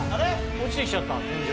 落ちてきちゃった天井。